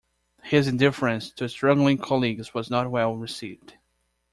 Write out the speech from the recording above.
His indifference to struggling colleagues was not well received.